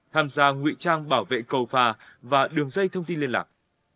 tham gia ngụy trang bảo vệ cầu phà và đường dây thông tin liên lạc